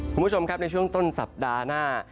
คุณผู้ชมครับในช่วงต้นสัปดาห์หน้า